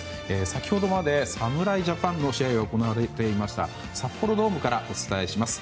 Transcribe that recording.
先ほどまで侍ジャパンの試合が行われていました札幌ドームからお伝えします。